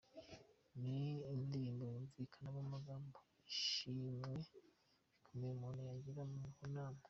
Ni indirimbo yumvikanamo amagambo y'ishimwe rikomeye umuntu yagira ku Mana.